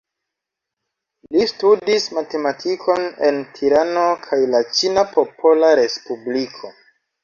Li studis matematikon en Tirano kaj la Ĉina Popola Respubliko.